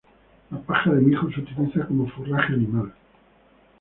La paja de mijo se utiliza como forraje animal.